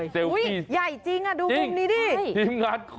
เซลฟี่ไหม